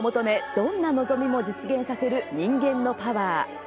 どんな望みも実現させる人間のパワー。